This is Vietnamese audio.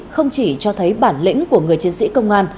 không chỉ cho thấy bản lĩnh của người chiến sĩ công an